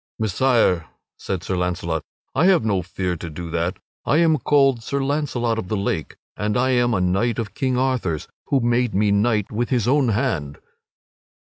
"Messire," said Sir Launcelot, "I have no fear to do that. I am called Sir Launcelot of the Lake, and I am a knight of King Arthur's, who made me knight with his own hand."